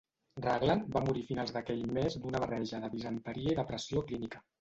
Raglan va morir a finals d'aquell mes d'una barreja de disenteria i depressió clínica.